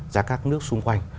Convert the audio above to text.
ra các nước xung quanh